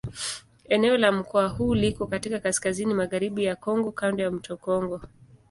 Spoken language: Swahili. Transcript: Eneo la mkoa huu liko katika kaskazini-magharibi ya Kongo kando ya mto Kongo.